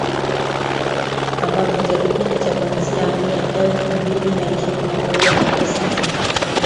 Ambapo katika kipindi cha kuanzia Mei elfu mbili na ishirini na moja hadi sasa